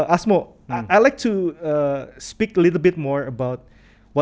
asmo saya ingin berbicara sedikit lebih